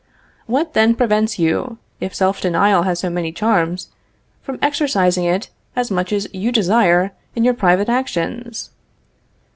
What then prevents you, if self denial has so many charms, from exercising it as much as you desire in your private actions?